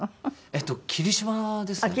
えっと霧島ですね。